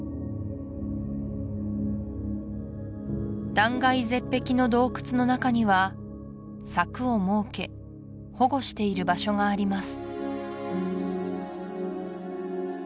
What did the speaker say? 断崖絶壁の洞窟の中には柵を設け保護している場所があります